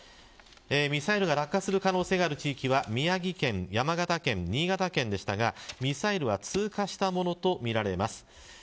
ミサイルが落下する可能性のある地域は宮城県、山形県、新潟県でしたがミサイルは通過したものとみられます。